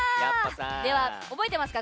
では、覚えてますか？